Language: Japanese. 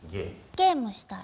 ゲームしたい。